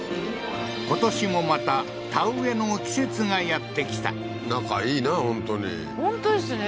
今年もまた田植えの季節がやって来た仲いいな本当に本当ですね